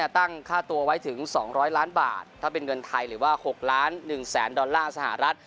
ตั้งค่าตัวไว้ถึง๒๐๐ล้านบาทถ้าเป็นเงินไทยหรือว่า๖ล้าน๑แสนดอลลาร์สหรัฐ